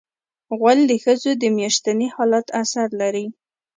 غول د ښځو د میاشتني حالت اثر لري.